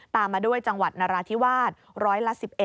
มาด้วยจังหวัดนราธิวาสร้อยละ๑๑